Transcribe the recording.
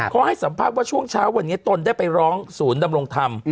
เขาให้สัมภาษณ์ว่าช่วงเช้าวันนี้ตนได้ไปร้องศูนย์ดำรงธรรม